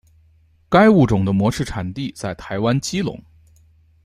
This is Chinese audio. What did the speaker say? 该物种的模式产地在台湾基隆。